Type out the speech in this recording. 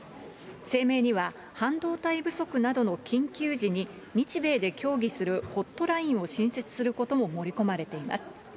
声明には、半導体不足などの緊急時に、日米で協議するホットラインを新設することも盛り込まれています。